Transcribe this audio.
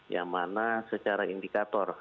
yang mana secara indikator